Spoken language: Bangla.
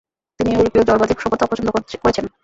তিনি ইউরােপীয় জড়বাদী সভ্যতা অপছন্দ করেছেন।